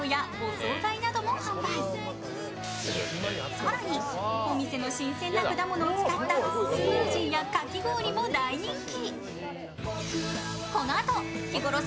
更にお店の新鮮な果物を使ったスムージーやかき氷も大人気。